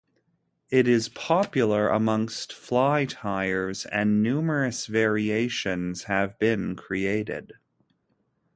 It is popular amongst fly tyers and numerous variations have been created.